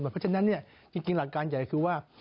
เพราะฉะนั้นจริงหลักการใหญ่คือว่า